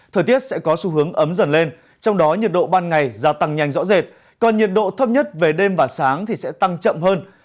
thời tiết sẽ có xu hướng ấm dần lên trong đó nhiệt độ ban ngày gia tăng nhanh rõ rệt còn nhiệt độ thấp nhất về đêm và sáng thì sẽ tăng chậm hơn